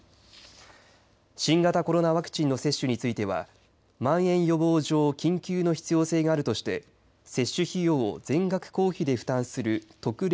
新型コロナワクチンの接種についてはまん延予防上緊急の必要性があるとして接種費用を全額公費で負担する特例